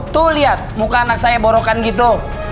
tuh lihat muka anak saya borokan gitu